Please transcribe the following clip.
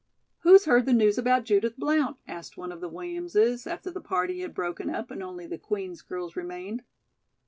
"Who's heard the news about Judith Blount?" asked one of the Williamses, after the party had broken up and only the Queen's girls remained.